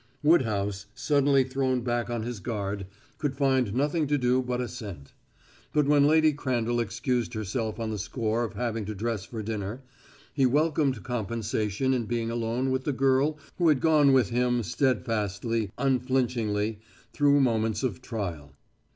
Woodhouse, suddenly thrown back on his guard, could find nothing to do but assent. But when Lady Crandall excused herself on the score of having to dress for dinner, he welcomed compensation in being alone with the girl who had gone with him steadfastly, unflinchingly, through moments of trial.